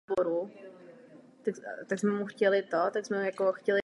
Čínský uzel má velmi široké množství využití v každodenním životě.